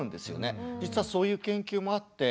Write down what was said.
実はそういう研究もあって。